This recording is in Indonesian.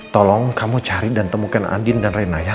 tolong kamu cari dan temukan andin dan rena ya